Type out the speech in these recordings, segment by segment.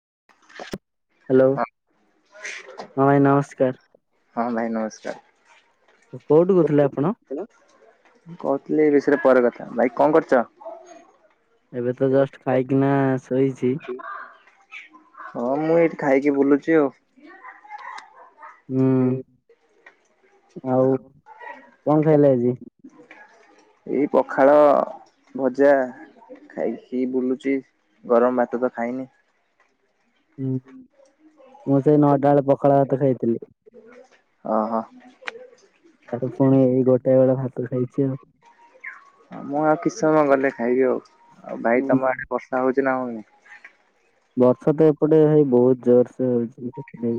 [inaudible] Hello ହଁ ଭାଇ ହଁ ଭାଇ ନମସ୍କାର। କୋଉଠୁ କହୁଥିଲେ ଆପଣ? ମୁଁ କହୁଥିଲି ଏ ବିଷୟରେ ପରେ କଥା ହେବା। ଭାଇ କଣ କରୁଛ? ଏବେ ତ ଜଷ୍ଟ୍ ଖାଇକିନା ଶୋଇଚି। ହଁ ମୁଁ ଏଇଠି ଖାଇକି ବୁଲୁଚି ଆଉ। ହୁଁ। ଆଉ କଣ ଖାଇଲେ ଆଜି? ଏଇ ପଖାଳ ଭଜା। ଖାଇକି ବୁଲୁଚି। ଗରମ୍ ଭାତ ତ ଖାଇନି। ଉଁ ମୁଁ ସେଇ ନଅଟା ବେଳେ ପଖାଳ ଭାତ ଖାଇଥିଲି। ଅ ହ। ହେଠୁ ପୁଣି ଏଇ ଗୋଟେ ବେଳେ ଭାତ ଖାଇଛି ଆଉ। ମୁଁ ଆଉ କିଛି ସମୟ ଗଲେ ଖାଇବି ଆଉ। ଆଉ ଭାଇ ହୁଁ ତମ ଆଡେ ବର୍ଷା ହଉଛି ନା ହଉନି? ବର୍ଷା ତ ଏପଟେ ଭାଇ ବହୁତ ଜୋର୍ ସେ ହଉଚି।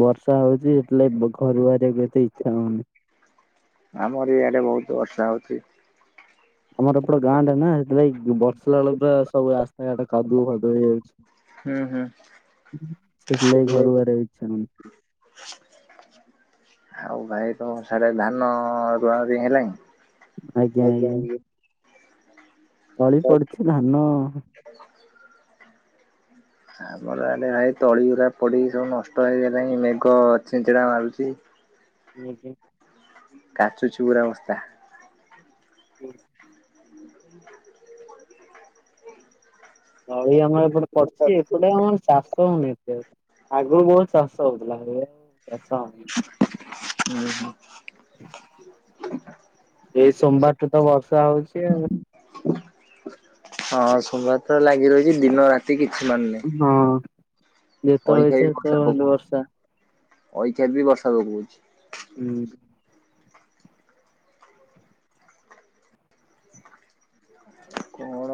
ବର୍ଷା ହଉଛି ସେଇଥିଲାଗି ଘରୁ ବାହାରିକୁ ଏତେ ଇଚ୍ଛା ହଉନି। ଆମର ଇଆଡେ ବହୁତ ବର୍ଷା ହଉଚି। ଆମର ଏପଟେ ଗାଁ ଟା ନା ସେଥିଲାଗି ବର୍ଷିଲା ବେଳକୁ ପୁରା ସବୁ ଆସ୍ତା ଘାଟ କାଦୁଅ ଫାଦୁଅ ହେଇଯାଉଛି। ହୁଁ ହୁଁ। ସେଥିଲାଗି ଘରୁ ବାହାରିବାକୁ ଇଚ୍ଛା ନାହିଁ। [inaudible] ଆଉ ଭାଇ ତମ ସ୍ଯାଡେ ଧାନ ରୁଆ ରୁଇଁ ହେଲାଣି? ଆଜ୍ଞା ଆଜ୍ଞା। ତଳି ପଡିଛି, ଧାନ ଆମର ଇଆଡେ ଭାଇ ତଳିଗୁରା ପଡିକି ସବୁ ନଷ୍ଟ ହେଇଗଲାଣି, ମେଘ ଛିଞ୍ଚିଡା ମାରୁଚି। ନିଜେ କାଚୁଛି ପୁରା ବର୍ଷା। ହୁଁ। ତଳି ଆମର ଏପଟେ ପଡି଼ଛି। ଏପଟେ ଆମର ଚାଷ ହଉନି ଏତେ ଆଉ। ଆଗରୁ ବହୁତ ଚାଷ ହଉଥିଲା। ଏବେ ଆଉ ଚାଷ ହଉନି। [inaudible] ଏଇ ସୋମବାରଠୁ ତ ବର୍ଷା ହଉଛି ଆଉ। ହଁ ସୋମବାର ରୁ ତ ଲାଗି ରହିଛି ଦିନ ରାତି କିଛି ହଁ। ଯେତେବେଳେ ଅଇଠାରେ ଇଚ୍ଛା ବି ବର୍ଷା ସେତେବେଳେ ହେଲେ ବର୍ଷା ପକଉଛି ଏଇକବି ବି ବର୍ଷା ପକଉଛି। ହୁଁ। କଣ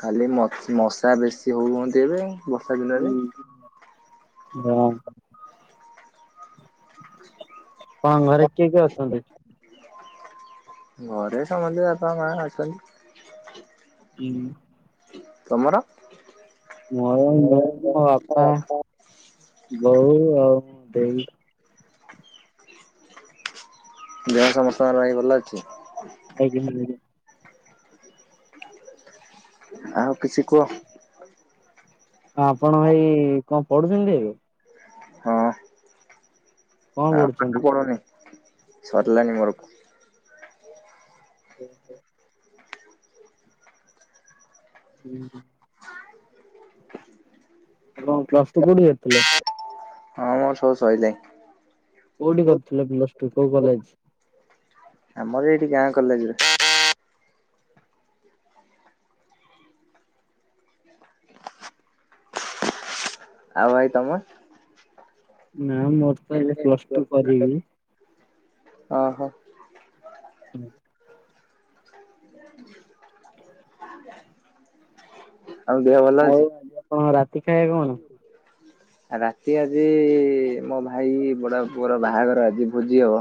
ଖାଲି ମଶା ବେଶୀ ହଉୁଛନ୍ତି ଏବେ ବର୍ଷା ଦିନରେ ହଁ। ତମ ଘରେ କିଏ କିଏ ଅଛନ୍ତି? ଘରେ ସମସ୍ତ ବାପା ମା ଅଛନ୍ତି। ହୁଁ। ତୁମର? ମୋର ମୁଁ, ମୋ ବାପା ବୋଉ ଆଉ ମୋ ଦେଇ। ଦେହ ସମସ୍ତଙ୍କର ଭାଇ ଭଲ ହ ଅଛି? ହୁଁଁ। ଆଉ କିଛି କୁହ? ଆପଣ ଭାଇ କଣ ପଢୁଛନ୍ତି ଏବେ? ହଁ କଣ ଆଉ ପାଠ ପଢ଼ୁଛନ୍ତି? ପଢୁନି? ସରିଲାଣି ମୋର ହୁଁ ହ। ହୁଁ। ଆପଣ ପ୍ଲସ୍ କୁ କୋଉଠି କରିଥିଲେ? ହଁ ମୋର ସବୁ ସରିଲାଣି। କୋଉଠି କରୁଥିଲେ ପ୍ଲସ ଟୁ କୋଉ କଲେଜରେ? ଆମର ଏଇଠି ଗାଁ କଲେଜରେ। ଆଉ ଭାଇ ତମେ? ନା ମୋର ତ ଏବେ ପ୍ଲସ ଟୁ କରିବି। ଓଃ ହୋ। ହୁଁ। ଆଉ ଦେହ ଭଲ ଅଛି? ଆଉ ଆଜି ଆପଣଙ୍କର ରାତି ଖାଇବ କଣ? ରାତି ଆଜି ମୋ ଭାଇ ବଡ଼ବାପା ପୁଅର ବାହାଘର ଆଜି ଭୋଜି ହବ।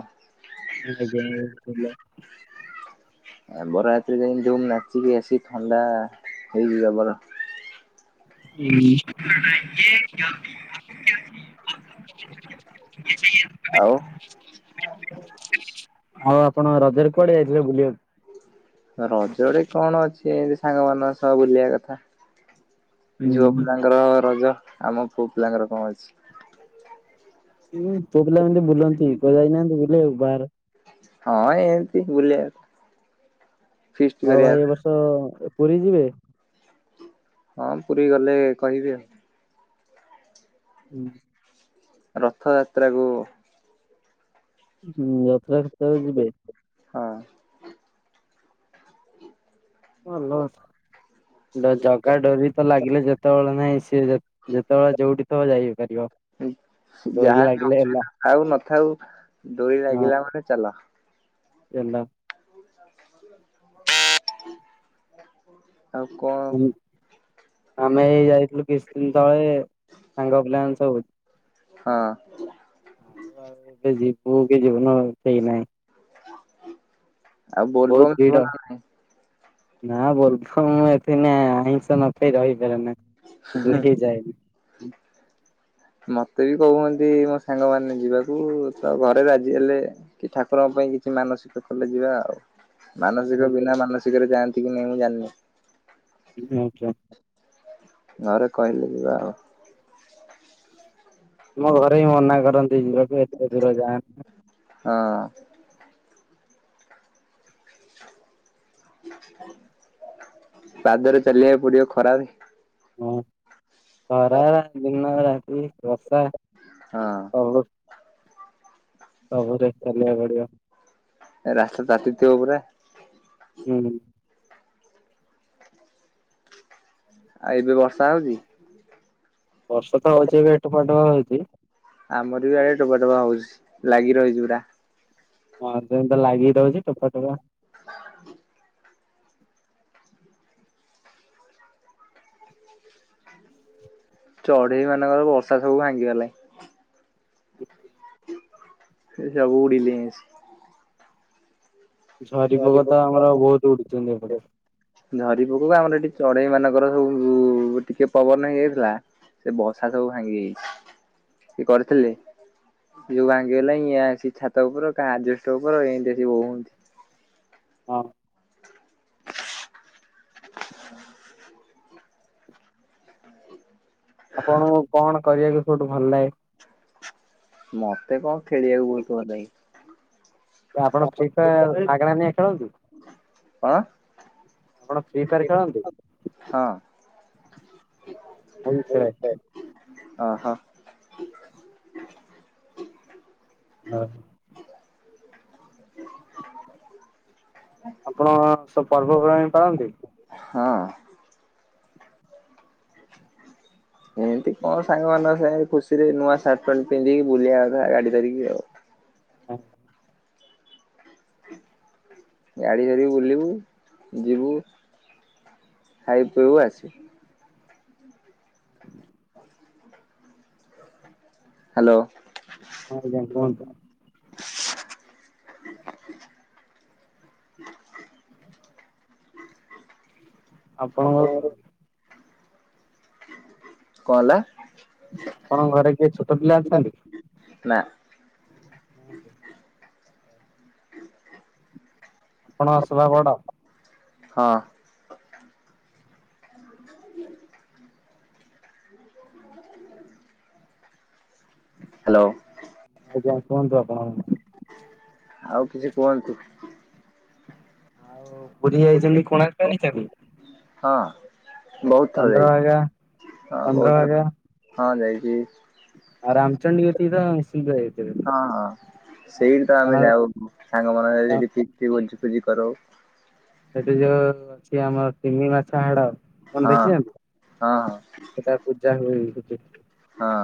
ଆଥିଲା। [unintelligible] ବରଯାତ୍ରୀ ରେ ଯାଇକି ଯୋଉ ନାଚିକି ଆସିିକି ଥଣ୍ଡା ହେଇଛି ଜବର। ହୁଁ। [unintelligible] ଆଉ? ଆଉ ଆପଣ ରଜରେ କୁଆଡ଼େ ଯାଇଥିଲେ ବୁଲିବାକୁ? ରଜ ରେ କଣ ଅଛି ଏମତି ସାଙ୍ଗମାନଙ୍କ ସହ ବୁଲିବା କଥା। ଝିଅ ହୁଁ ପିଲାଙ୍କର ରଜ ଆମ ପୁଅ ପିଲାଙ୍କର କଣ ଅଛି। ପୁଅ ପିଲାମାନେ ତ ବୁଲନ୍ତି କୁଆଡ଼େ ଯାଇନାହାନ୍ତି ବୁଲିବାକୁ ବାହାର ହଁ ଏମିତି ବୁଲିବାକୁ। ଆଉ ଭାଇ ଏ ବର୍ଷ ପୁରୀ ଯିବେ? ହଁ ପୁରୀ ଗଲେ କହିବି ଆଉ। ହୁଁ। ରଥଯାତ୍ରାକୁ ହୁଁ ରଥଯାତ୍ରା କେତେଳେ ଯିବେ? ହଁ। ଭଲ ଅଛ। ଜଗା ଡୋରି ତ ଲାଗିଲେ ଯେତେବେଳେ ନାହିଁ ସିଏ ଯେତେବେଳେ ଯୋଉଠି। ଥିବ ଯାଇ ପାରିବ। ହୁଁ। ଡୋରି ଯାହାବି ଲାଗିଲେ ହେଲା ଅସୁବିଧା ଥାଉ ନଥାଉ ଡୋରି ଲାଗିଲା ମାନେ ଚାଲ। ଦେଲ ଆଉ କଣ। ଆମେ ଏଇ ଯାଇଥିଲୁ କିଛି ଦିନ ତଳେ ସାଙ୍ଗ ପିଲା ଙ୍କ ସବୁ। ହଁ ଆଉ ଆ ଏ ଯିବୁ କି ଯିବୁନୁ କି ଠିକ୍ ନାହିଁ। ଆଉ ବହୁତ ବୋଲବମ୍ ଭିଡ ଯିବ ନା ନାଇ। ନା ବୋଲବମ୍ ମୁଁ ଏ ଦିନେ ଆଇଁଷ ନ ଖାଇ ରହିପାରେ ନା ସେଥିପାଇଁ କି ଯାଏନି। ମୋତେ ବି କହୁଚନ୍ତି ମୋ ସାଙ୍ଗମାନେ ଯିବାକୁ ତ ଘରେ ରାଜି ହେଲେ କି ଠାକୁରଙ୍କ ପାଇଁ କିଛି ମାନ ସିଘ୍ର କଲେ ଯିବା ଆଉ ମାନସିକ ବିନା ମାନସିକରେ ଯାଆନ୍ତି କି ନାହିଁ ମୁଁ ଜାଣିନି। ଆଚ୍ଛା। [unintelligible] ଘରେ କହିଲେ ଯିବା ଆଉ। ଆମ ଘରେ ହିଁ ମନା କରନ୍ତି ଯିବାକୁ ଏତେ ଦୂର ଯାଆନା। ହଁ ପାଦରେ ଚାଲିବାକୁ ପଡିବ ଖରା ରେ। ହଁ ଖରା ଦିନ ରାତି ବର୍ଷା। ହଁ। ସବୁ ସବୁରେ ଚାଲିବାକୁ ପଡିବ। ଏ ରାସ୍ତା ତାତିଥିବ ପୁରା। ହୁଁ। ଆଉ ଏବେ ବର୍ଷା ହଉଛି? ବର୍ଷା ତ ହଉଛି ଏବେ ଠୁପା ଠୁପା ହଉଛି। ଆମର ବି ଆଡେ ଟୋପା ଟୋପା ହଉଛି ଲାଗି ରହିଛି ପୁରା। ହଁ ସେମତି ତ ଲାଗି ରହୁଛି ଟୋପା ଟୋପା। ଚଢେଇ ମାନଙ୍କର ବର୍ଷା ସବୁ ଭାଙ୍ଗିିଗଲେ। ହୁଁ। ସେ ସବୁ ଉଡ଼ିିଲେଇଁ ଆସିକି। ଝରି ପୋକ ତ ଆମର ବହୁତ ଉଡୁଛନ୍ତି ଏପଟେ। ବୁ ବୁ ବା ଆମର ଏଠି ଚଢେଇ ମାନଙ୍କର ସବୁ ଟିକେ ପବନ ହେଇଯାଇଥିଲା। ସେ ବସା ସବୁ ଭାଙ୍ଗି ଯାଇଛି ସିଏ କରିଥିଲେ। ଯୋଉ ଭାଙ୍ଗିଗଲା ଇଁଏ ଆସିକି ଛାତ ଉପର କା ଆଜବେଷ୍ଟ ଉପର ଏନ୍ତୀ ଆସିକି ବୋଉହନ୍ତି। ହଁ। ଆପଣଙ୍କୁ କଣ କରିବାକୁ ସବୁଠୁ ଭଲ ଲାଗେ? ମତେ କଁ ଖେଳିବାକୁ ବହୁତ୍ ଭଲ ଲାଗେ। ଏ ଆପଣ ଫ୍ରି ଫାୟାର ମାଗେଣା ନେଇ ଖେଳନ୍ତି। କଣ ଆପଣ ଫ୍ରି ଫାୟାର ଖେଳନ୍ତି। ହଁ ହଁ ମୁଁ ଖେଳେ। ଅ ହ। ହ ଉ। ଆପଣ ସବୁ ପର୍ବପର୍ବାଣୀ ପାଳନ୍ତି। ହଁ। ଏଁତି କଁ ସାଙ୍ଗ ମାନଙ୍କ ସାଙ୍ଗରେ ଖୁସିରେ ନୂଆ ସାର୍ଟ ପ୍ୟାଣ୍ଟ ପିନ୍ଧିକି ବୁଲିବା କଥା ଗାଡି ଧରିକି ଆଉ। ହଁ। ଗାଡ଼ି ଧରିକି ବୁଲିବୁ ଯିବୁ। ଖାଇବୁ ପିବୁ ଆସିବୁ। ହ୍ୟାଲୋ ହଁ ଯାଇ ପହଞ୍ଚୁ [inaudible] ଆପଣଙ୍କର କଣ ହେଲା? ଆପଣଙ୍କ ଘରେ କିଏ ଛୋଟ ପିଲା ଅଛନ୍ତି? ନା। ନାହାନ୍ତି। [inaudible] ଆପଣ ସବା ବଡ? ହଁ। [inaudible] ହ୍ୟାଲୋ ଆଜ୍ଞା କୁହନ୍ତୁ ଆପଣ? ଆଉ କିଛି କୁହନ୍ତୁ? ଆଉ ପୁରୀ ଯାଇଛନ୍ତି କୋଣାର୍କ ଯାଇଛନ୍ତି? ହଁ ବହୁତ ଥର ଚନ୍ଦ୍ରଭାଗା ଯାଇଛି, ହଁ ବହୁତଥର, ହଁ ଯାଇଛି। ଆ ରାମଚଣ୍ଡି ଯେତିକି ତ ନିଛିନ୍ତ ଯାଇଥିବେ? ହଁ ହଁ ସେଇଠି ତ କାରଣ ଆମେ ଯାଉ ସାଙ୍ଗ ମାନଙ୍କ ସେଇଠି ଠିକ ଭୋଜି ଫୋଜି କରାଉ। ସେଠି ଯୋଉ ଅଛି ଆମର ତିନି ମାଛ ହାଡ କଣ ହଁ ଦେଖି ହଁ ହଁ ନାହାନ୍ତି ସେଟା ପୂଜା ହୁଏ? [inaudible] ହଁ।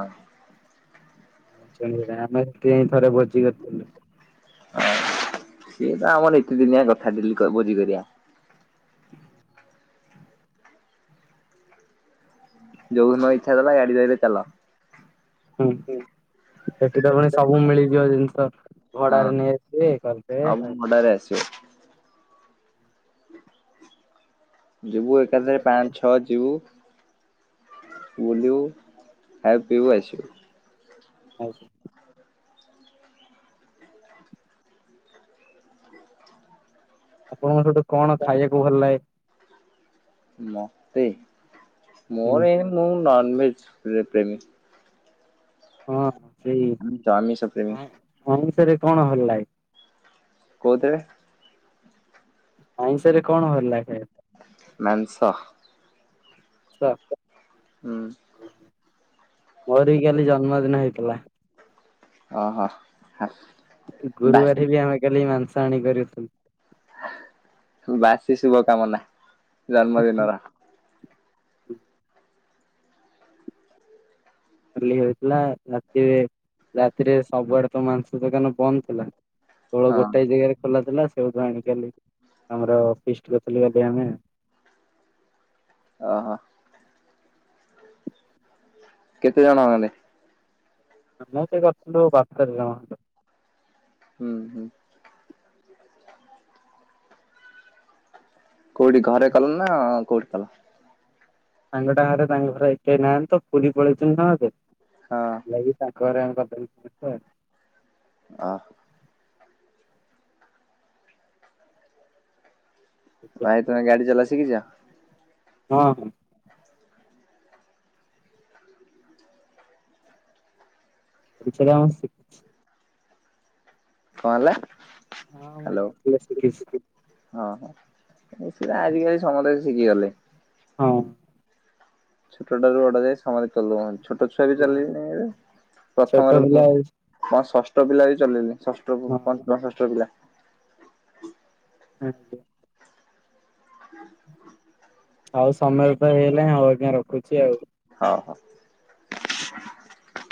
ସେଥିପାଇଁ ଆମେ କେ ଥରେ ଭୋଜି କରିଥିଲୁ। ହ ସିଏ ତ ଆମର ନିତିଦିନିଆ କଥା ଦିଲୁ କହିବ ଭୋଜି କରିଵା। ଯୋଉ ଦିନ ଇଚ୍ଛା ଦେଲା ଗାଡି ଧରିଲା ଚାଲ। ହଁ। ସେଠି ତ ପୁଣି ସବୁ ମିଳିଯିବ ଜିନିଷ ହଁ ଭଡାରେ ନେଇ ଆସିବେ ସବୁ କରିଦେବେ ଭଡାରେ ଆସିବ। ଯିବୁ ଏକାଥରେ ପାଞ୍ଚ ଛଅ ଯିବୁ ବୁଲିବୁ ଖାଇ ପିଇବୁ ଆସିବୁ। ଆଉ ଆପଣଙ୍କର ସଠ କଣ ଖାଇବାକୁ ଭଲ ଲାଗେ? ମତେ ମୋର ମୁଁ ନନଭେଜ ପେ ପ୍ରେମୀ ହଁ ସେଇ ଆ ତା ଆମିଷପେମୀ ରେ କଣ ହେଲାଏ? କଉଥିରେ? ଆଇଁଷ ରେ କଣ ଭଲ ଲାଗେ ଖାଇବାକୁ ମାଂସ। ସ ହୁଁ। ମୋରି କାଲି ଜନ୍ମଦିନ ହେଇଥିଲା। ଓ ହୋ ହ। ଗୁରୁବାର ବି ଆମେ କାଲି ମାଂସ ଆଣି କରିଥିଲୁ। ବାସି ଶୁଭ କାମନା ଜନ୍ମଦିନର। ଖାଲି ହେଇଥିଲା ରାତିରେ ରାତିରେ ସବୁଆଡେ ତ ମାଂସ ଦୋକାନ ବନ୍ଦ ଥିଲା ତ ହଁ। ଗୋଟାଏ ଜାଗାରେ ଖୋଲା ଥିଲା ସେଇଠୁ ଆଣିକି ଆଇଲି ଆମର-ଅ-ଅ ଫିଷ୍ଟ କରିଥିଲି ଏବେ ଆମେ ଓ ହୋ। କେତେ ଜଣ କଲେ? ମୁତ କରଥୁଲୁ ବାର୍ ତେର ଜଣ [unintelligible] ହୁଁ, ହୁଁ। କୋଉଠି? ଘରେ କଲ୍ ନା କୋଉଠି କଲ? ସାଙ୍ଗ ଟା ଘରେ, ତାଙ୍କ ଘରେ କେହି ନାହାଁନ୍ତି ତ! ପୁରୀ ପଳେଇଚନ୍ତି ସମସ୍ତେ। ହଁ ଯାଇକି ତା ଘରେମ [unintelligible] ଅହ। ଭାଇ, ତମେ ଗାଡି ଚଲା ଶିଖିଛ? ହଁ ହଁ। ପମ [unintelligible] କଣ ହେଲା? ହଁ, ମୁଁ ହ୍ୟାଲୋ ଗାଡ଼ିଚଲା ଶିଖିଛି। ହଁ, ହଁ, ସେ ଆଜିିକାଲି ସମସ୍ତେ ଶିଖି ଗଲେ। ହଁ। ଛୋଟ ଟାରୁ ବଡ଼ ଯାଏ, ସମତେ ଚଲଉଅନ୍ତି। ଛୋଟ ଛୁଆ ବି ହଁ ଚଲେଇଲେ ଣି ଏବେ, ଛୋଟ ପ୍ରଥମରେ ପିଲା ହଁ ମ ଷଷ୍ଠ ପିଲା ବି ଚଲେଇଲେ। ଷଷ୍ଠ କୁ ପଞ୍ଚମ ଷଷ୍ଠ ପିଲା। [inaudible] ଆଉ ସମୟ ତ ହେଇଗଲାଇଁ। ଆଉ ଅଜ୍ଞା ରଖୁଛି ଆଉ। [inaudible]